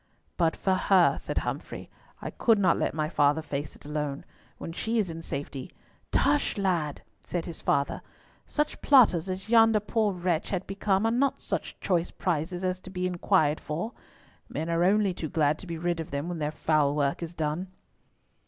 "But for her," said Humfrey, "I could not let my father face it alone. When she is in safety"— "Tush, lad," said his father, "such plotters as yonder poor wretch had become are not such choice prizes as to be inquired for. Men are only too glad to be rid of them when their foul work is done."